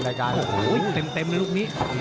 เต็มลุคนี้